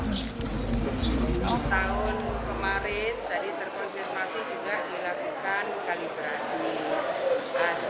kemarin tadi terkonsumsi juga dilakukan kalibrasi